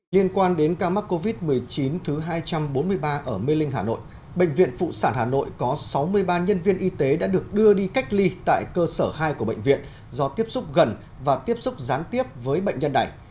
liên quan đến ca mắc covid một mươi chín thứ hai trăm bốn mươi ba ở mê linh hà nội bệnh viện phụ sản hà nội có sáu mươi ba nhân viên y tế đã được đưa đi cách ly tại cơ sở hai của bệnh viện do tiếp xúc gần và tiếp xúc gián tiếp với bệnh nhân này